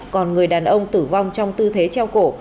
còn người đàn ông tử vong trong tư thế treo cổ